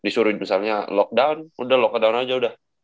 disuruh misalnya lock down udah lock down aja udah